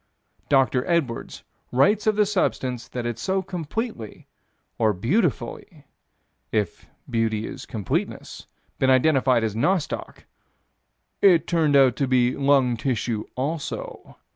Dr. Edwards writes of the substance that had so completely, or beautifully if beauty is completeness been identified as nostoc "It turned out to be lung tissue also."